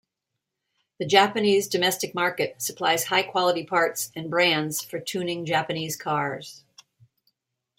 The Japanese domestic market supplies high quality parts and brands for tuning Japanese cars.